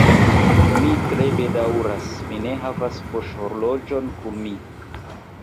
Mi tre bedaŭras, mi ne havas poŝhorloĝon kun mi.